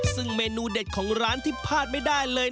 ซึ่งเมนูเด็ดของร้านที่พลาดไม่ได้เลย